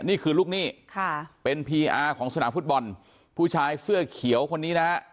นี่คือลูกหนี้ค่ะเป็นพีอาร์ของสนามฟุตบอลผู้ชายเสื้อเขียวคนนี้นะฮะ